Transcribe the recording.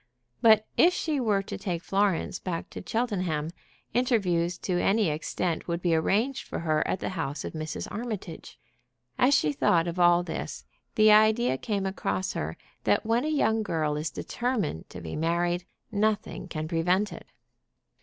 But if she were to take Florence back to Cheltenham, interviews to any extent would be arranged for her at the house of Mrs. Armitage. As she thought of all this, the idea came across her that when a young girl is determined to be married nothing can prevent it.